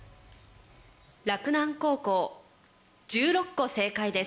・洛南高校１６個正解です